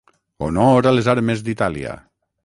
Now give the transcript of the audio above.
Honor a les armes d'Itàlia!